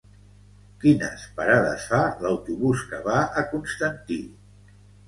Quines parades fa l'autobús que va a Constantí?